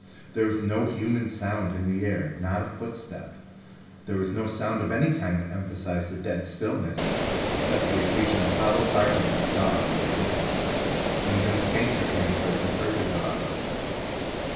There was no human sound in the air, not even a footstep. There was no sound of any kind to emphasize the dead stillness, except the occasional hollow barking of a dog in the distance and the fainter answer of a further dog.